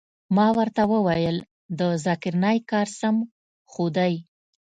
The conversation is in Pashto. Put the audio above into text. ما ورته وويل د ذاکر نايک کار سم خو دى.